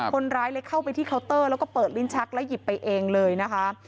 คนร้ายเลยเข้าไปที่เคาน์เตอร์แล้วก็เปิดลิ้นชักแล้วหยิบไปเองเลยนะคะ